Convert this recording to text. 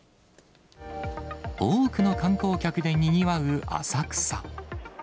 多くの観光客でにぎわう浅草。